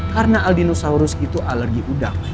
karena aldinosaurus itu alergi udang